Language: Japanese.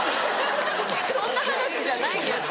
そんな話じゃないやん。